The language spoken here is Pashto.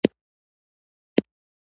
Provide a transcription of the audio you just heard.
په احمد کوډي شوي دي .